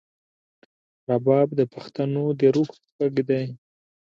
رباب د پښتنو د روح غږ دی.